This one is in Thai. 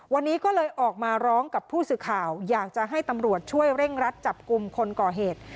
วันนี้ก็เลยออกมาร้องกับผู้สื่อข่าวอยากจะให้ตำรวจช่วยเร่งรัดจับกลุ่มคนก่อเหตุ